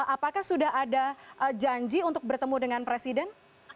apakah sudah ada janji untuk bertemu dengan presiden